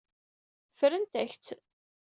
Ffrent-ak-tt.